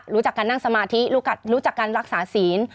รู้จักการนั่งสมาธิรู้จักการรักษาศีล